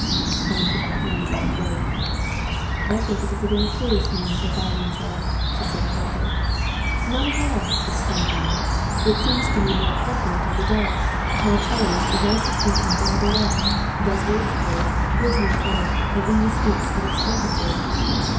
Helen put her hand to her throat. "I think it is a foolish name for a violoncello," she said, coldly. "Not at all," explained Ronnie. "It seems to me more appropriate every day. My 'cello is the nicest infant that ever was; does what it's told, gives no trouble, and only speaks when it's spoken to!"